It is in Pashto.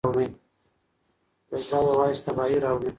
جګړه یوازې تباهي راوړي.